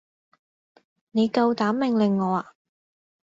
你夠膽命令我啊？